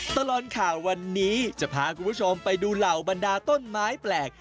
ตลอดข่าววันนี้จะพาคุณผู้ชมไปดูเหล่าบรรดาต้นไม้แปลก